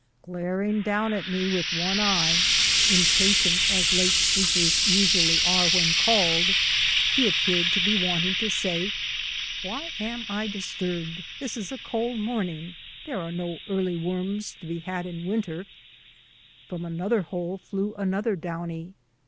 Glaring down at me with one eye — impatient, as late sleepers usually are when called — he ap peared to be wanting to say: " Why am I disturbed ? This is a cold morning. There are no early worms to be had in winter/' From another hole flew another downy.